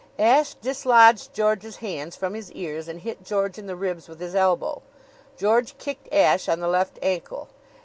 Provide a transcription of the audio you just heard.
Ashe dislodged George's hands from his ears and hit George in the ribs with his elbow. George kicked Ashe on the left ankle.